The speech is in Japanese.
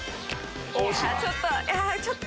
ちょっといやちょっと。